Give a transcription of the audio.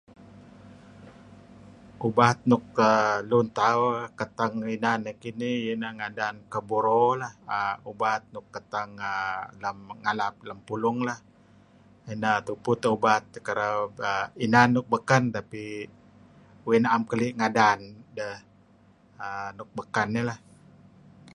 Ubat nuk err lun tauh keteng inan neh kinih iyeh ngadan keburo lah ubat luk keteng [ar] iyeh ngalap lem pulung lah, inah tupu teh ubat kereb . Inan nuk beken tapi uih na'am keli' ngadan deh aah nuk beken ih lah.